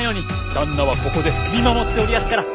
旦那はここで見守っておりやすから。